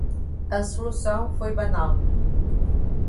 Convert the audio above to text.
A solução foi banal.